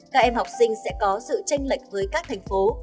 các em học sinh sẽ có sự tranh lệch với các thành phố